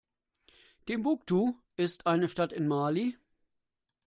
Timbuktu ist eine Stadt in Mali.